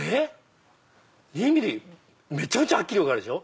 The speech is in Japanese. ２ｍｍめちゃめちゃはっきり分かるでしょ。